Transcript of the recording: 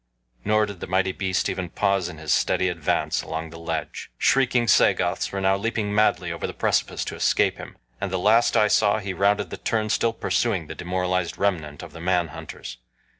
Nor did the mighty beast even pause in his steady advance along the ledge. Shrieking Sagoths were now leaping madly over the precipice to escape him, and the last I saw he rounded the turn still pursuing the demoralized remnant of the man hunters.